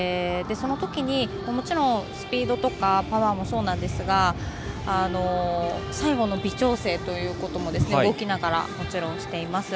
そのときに、もちろんスピードとかパワーもそうなんですが最後の微調整ということも動きながら、もちろんしています。